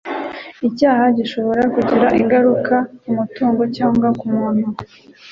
icyaha gishobora kugira ingaruka ku mutungo cyangwa ku muntu